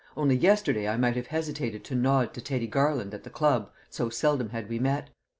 Only yesterday I might have hesitated to nod to Teddy Garland at the club, so seldom had we met.